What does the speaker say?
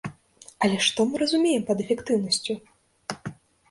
Але што мы разумеем пад эфектыўнасцю?